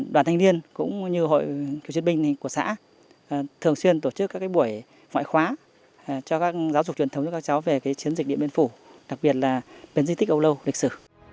đoàn thanh niên cũng như hội cựu chiến binh của xã thường xuyên tổ chức các buổi ngoại khóa cho các giáo dục truyền thống cho các cháu về chiến dịch điện biên phủ đặc biệt là biến di tích âu lâu lịch sử